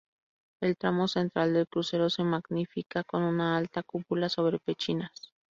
El tramo central del crucero se magnifica con una alta cúpula sobre pechinas.